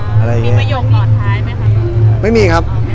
มีประโยคต่อท้ายไม่มีครับ